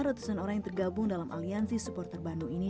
ratusan orang yang tergabung dalam aliansi supporter bandung ini